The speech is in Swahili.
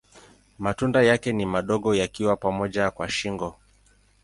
Matunda yake ni madogo yakiwa pamoja kwa shingo.